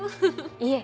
いえ